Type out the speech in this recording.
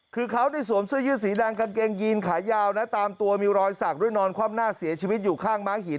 คือเขาสวมเสื้อยืดสีแดงกางเกงยีนขายาวนะตามตัวมีรอยสักด้วยนอนคว่ำหน้าเสียชีวิตอยู่ข้างม้าหิน